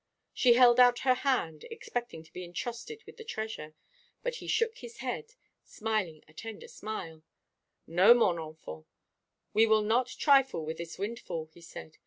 She held out her hand, expecting to be intrusted with the treasure; but he shook his head gently, smiling a tender smile. "No, mon enfant, we will not trifle with this windfall," he said.